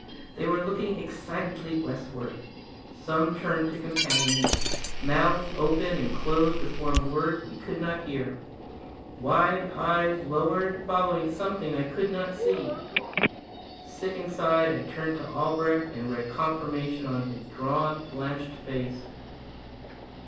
They were looking excitedly westward. Some turned to companions. Mouths opened and closed to form words we could not hear. Wide eyes lowered, following something I could not see. Sick inside, I turned to Albrecht and read confirmation in his drawn, blanched face.